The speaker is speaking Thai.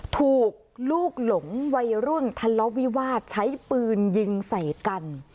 ถูกลูกหลงวัยรุ่นทะเลาะวิวาสใช้ปืนยิงใส่กัน